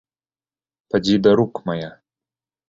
Падзі да рук мая!